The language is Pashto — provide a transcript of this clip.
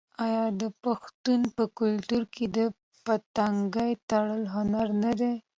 آیا د پښتنو په کلتور کې د پټکي تړل هنر نه دی؟